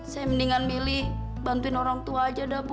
saya mendingan milih bantuin orang tua aja dah bu